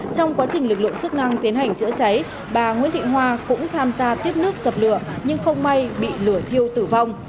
trong quá trình lực lượng chức năng tiến hành chữa cháy bà nguyễn thị hoa cũng tham gia tiếp nước dập lửa nhưng không may bị lửa thiêu tử vong